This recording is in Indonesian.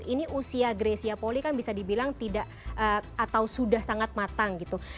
ini usia gresia poli kan bisa dibilang tidak atau sudah sangat matang gitu